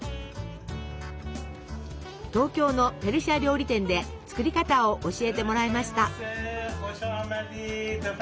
東京のペルシャ料理店で作り方を教えてもらいました。